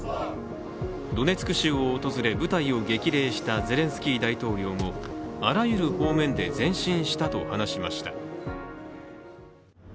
ドネツク州を訪れ部隊を激励したゼレンスキー大統領もあらゆる方面で前進したと話しました。